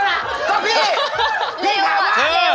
ก็พี่พี่ถามมา